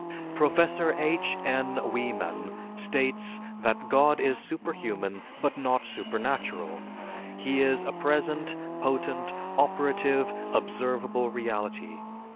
Professor H. N. Wieman states that, "God is superhuman, but not supernatural. He is a present, potent, operative, observable reality....